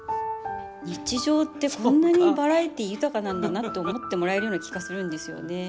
日常ってこんなにバラエティー豊かなんだなって思ってもらえるような気がするんですよね。